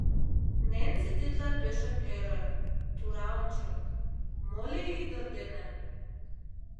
Ненси тидлан пешак ӧрӧ, тура онча: мо лие ӱдыр дене?